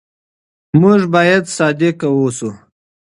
موږ بايد صادق اوسو.